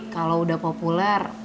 kalau udah populer